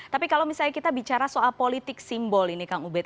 tapi kalau misalnya kita bicara soal politik simbol ini kang ubed